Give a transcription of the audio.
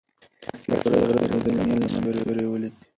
لښتې د غره د درنې لمنې سیوری ولید.